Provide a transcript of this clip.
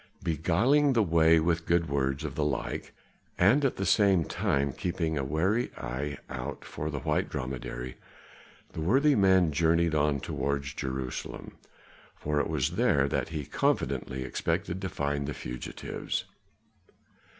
Beguiling the way with good words of the like, and at the same time keeping a wary eye out for the white dromedary, the worthy man journeyed on towards Jerusalem, for it was there that he confidently expected to find the fugitives.